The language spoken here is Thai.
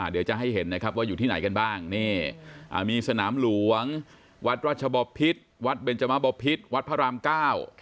เดี๋ยวจะให้เห็นนะครับว่าอยู่ที่ไหนกันบ้างนี่มีสนามหลวงวัดราชบพิษวัดเบนจมบพิษวัดพระรามเก้า